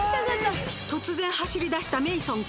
突然走りだしたメイソン君。